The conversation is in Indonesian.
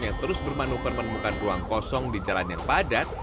yang terus bermanuper menemukan ruang kosong di jalan yang padat